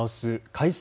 改正